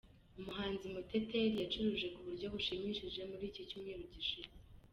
Umuhanzi Muteteri yacuruje ku buryo bushimishije muri iki cyumweru gishize